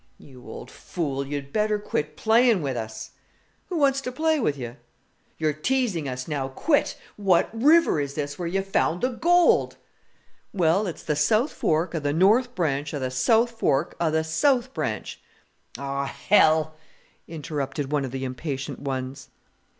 "You old fool, you'd better quit playing with us." "Who wants to play with you?" "You're teasing us; now quit! What river is this where you found the gold?" "Well, it's the south fork of the north branch of the south fork of the south branch " "Oh, hell!" interrupted one of the impatient ones.